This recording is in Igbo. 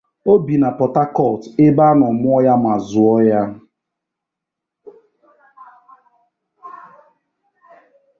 O bi na Port Harcourt ebe a no muo ya ma zuo ya..,